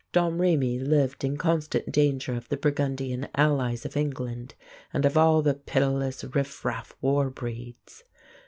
Domrémy lived in constant danger of the Burgundian allies of England and of all the pitiless riffraff war breeds.